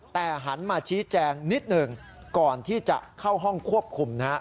แต่หันมาชี้แจงนิดหนึ่งก่อนที่จะเข้าห้องควบคุมนะฮะ